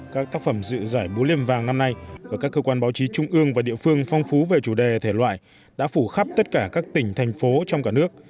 các tác phẩm dự giải bú liềm vàng năm nay ở các cơ quan báo chí trung ương và địa phương phong phú về chủ đề thể loại đã phủ khắp tất cả các tỉnh thành phố trong cả nước